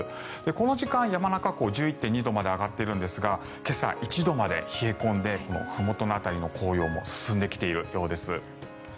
この時間、山中湖１１．２度まで上がっているんですが今朝、１度まで冷え込んでふもとの辺りの紅葉も進んできているようです。